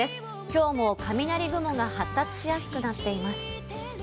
今日も雷雲が発達しやすくなっています。